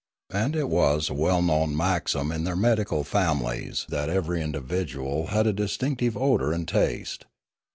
And it was a well known maxim in their medical families that every individual had a distinctive odour and taste.